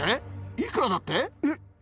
いくらだって？